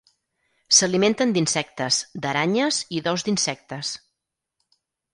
S'alimenten d'insectes, d'aranyes i d'ous d'insectes.